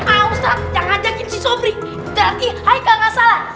ah ustadz yang ngajakin si sobri jadi haikal gak salah